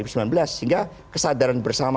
sehingga kesadaran bersama